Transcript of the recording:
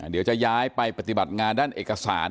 เดี๋ยวจะย้ายไปปฏิบัติงานด้านเอกสาร